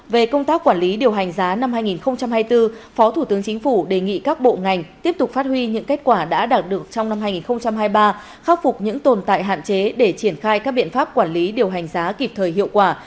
về công tác quản lý điều hành giá năm hai nghìn hai mươi bốn phó thủ tướng chính phủ đề nghị các bộ ngành tiếp tục phát huy những kết quả đã đạt được trong năm hai nghìn hai mươi ba khắc phục những tồn tại hạn chế để triển khai các biện pháp quản lý điều hành giá kịp thời hiệu quả